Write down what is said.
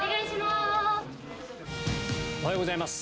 おはようございます。